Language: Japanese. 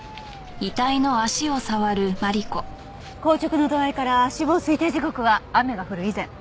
硬直の度合いから死亡推定時刻は雨が降る以前。